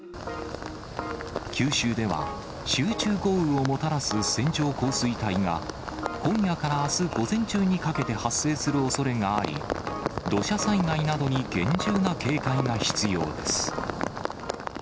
九州では、集中豪雨をもたらす線状降水帯が、今夜からあす午前中にかけて発生するおそれがあり、土砂災害などに厳重な警戒が必要です。